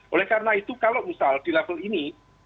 oleh karena itu kalau misal di level ini